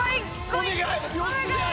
お願い！